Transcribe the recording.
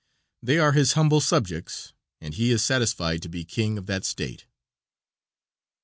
They are his humble subjects, and he is satisfied to be king of that state.